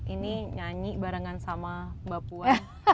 ini nyanyi barengan sama mbak puan